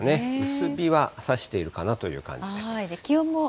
薄日はさしているかなという感じです。